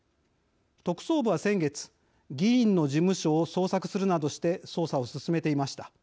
特捜部は先月議員の事務所を捜索するなどして捜査を進めていました。